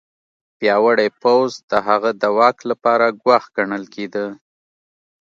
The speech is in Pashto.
پیاوړی پوځ د هغه د واک لپاره ګواښ ګڼل کېده.